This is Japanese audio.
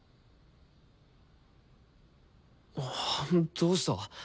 どうした？